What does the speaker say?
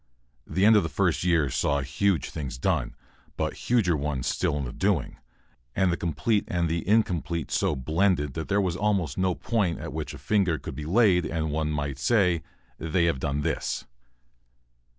The end of the first year saw huge things done, but huger ones still in the doing, and the complete and the incomplete so blended that there was almost no point at which a finger could be laid and one might say: "They have done this."